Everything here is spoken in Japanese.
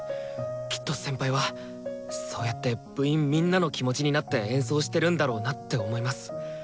きっと先輩はそうやって部員みんなの気持ちになって演奏してるんだろうなって思います。